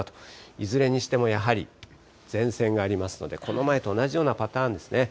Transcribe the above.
いずれにしても、やはり前線がありますので、この前と同じようなパターンですね。